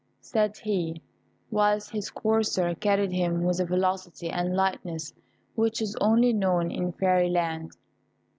said he, whilst his courser carried him with a velocity and a lightness which is only known in fairy land.